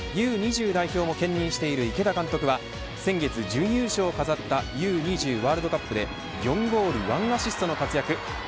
Ｕ２０代表も兼任している池田監督は先月、準優勝を飾ったＵ２０ワールドカップで４ゴール１アシストの活躍。